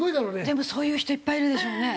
でもそういう人いっぱいいるでしょうね。